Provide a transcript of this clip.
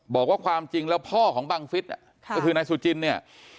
บอกว่าความจริงแล้วพ่อของบังฟิศก็คือนายสุจินเนี่ย